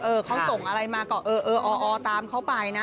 เออเขาส่งอะไรมาก็เออตามเขาไปนะ